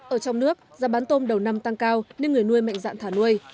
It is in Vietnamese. ở trong nước giá bán tôm đầu năm tăng cao nên người nuôi mạnh dạn thả nuôi